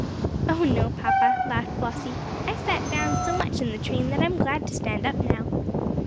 "Oh, no, papa," laughed Flossie. "I sat down so much in the train that I'm glad to stand up now."